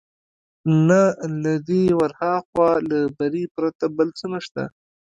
نه له دې ورهاخوا، له بري پرته بل څه نشته.